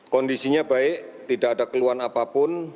kondisinya baik tidak ada keluhan apapun